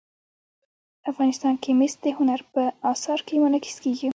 افغانستان کې مس د هنر په اثار کې منعکس کېږي.